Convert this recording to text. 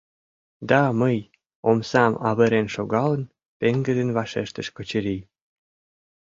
— Да, мый! — омсам авырен шогалын, пеҥгыдын вашештыш Качырий.